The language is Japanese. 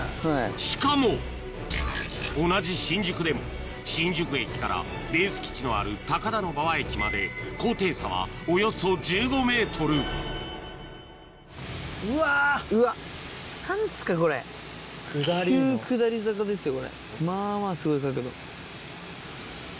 しかも同じ新宿でも新宿駅からベース基地のある高田馬場駅まで高低差はおよそ１５ｍまぁまぁすごい坂だ。